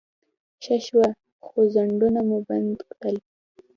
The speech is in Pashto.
ښه شوه، څو خنډونه مو بند کړل.